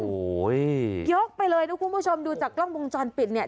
โอ้โหยกไปเลยนะคุณผู้ชมดูจากกล้องวงจรปิดเนี่ย